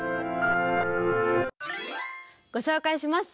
ご紹介します。